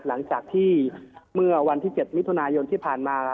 หลังจากที่เมื่อวันที่๗มิถุนายนที่ผ่านมา